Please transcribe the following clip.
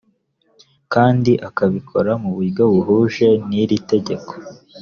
kandi akabikora mu buryo buhuje n’ iri tegeko